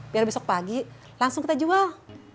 biar besok pagi langsung kita jual